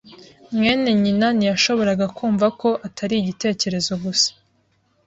mwene nyina ntiyashoboraga kumva ko atari igitekerezo gusa.